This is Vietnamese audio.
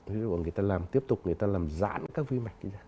ví dụ người ta làm tiếp tục người ta làm giãn các vi mạch